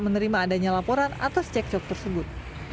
pihak menerima adanya laporan atas cek cop tersebut